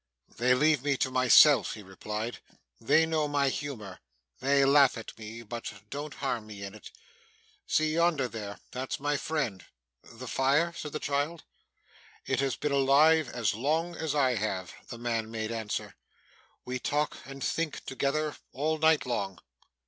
'They leave me to myself,' he replied. 'They know my humour. They laugh at me, but don't harm me in it. See yonder there that's my friend.' 'The fire?' said the child. 'It has been alive as long as I have,' the man made answer. 'We talk and think together all night long.